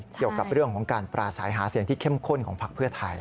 เกี่ยวกับเรื่องของการปราศัยหาเสียงที่เข้มข้นของพักเพื่อไทย